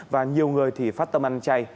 và nhiều người thì phát tâm ăn chay